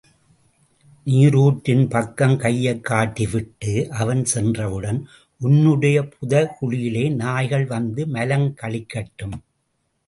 நீருற்றின் பக்கம் கையைக் காட்டி விட்டு அவன் சென்றவுடன், உன்னுடைய புதை குழியிலே நாய்கள் வந்து மலங்கழிக்கட்டும்!